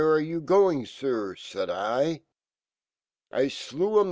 are you going, fir?* Said I " I slewa.